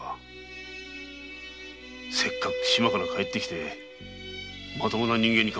せっかく島から帰ってきてまともな人間に変わったんだ。